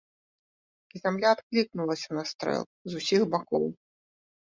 Зямля адклікнулася на стрэл з усіх бакоў.